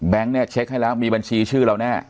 เนี่ยเช็คให้แล้วมีบัญชีชื่อเราแน่